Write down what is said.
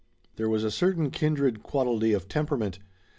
There was a certain kindred quality of temperament.